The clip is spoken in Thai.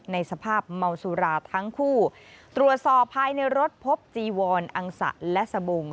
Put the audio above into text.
ในสภาพเมาสุราทั้งคู่ตรวจสอบภายในรถพบจีวรอังสะและสบง